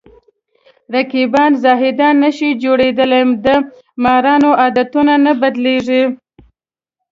رقیبان زاهدان نشي جوړېدلی د مارانو عادتونه نه بدلېږي